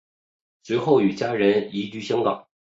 随后与家人移居香港。